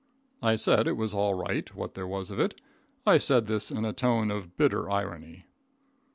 I said it was all right, what there was of it. I said this in a tone of bitter irony.